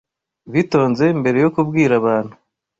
bitonze mbere yo kubwira abantu